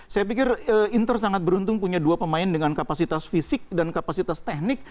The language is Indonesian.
saya pikir inter sangat beruntung punya dua pemain dengan kapasitas fisik dan kapasitas teknik